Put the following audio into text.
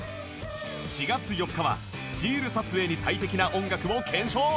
４月４日はスチール撮影に最適な音楽を検証